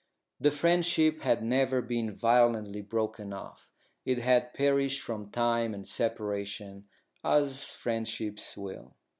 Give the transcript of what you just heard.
The friendship had never been violently broken off. It had perished from time and separation, as friendships will.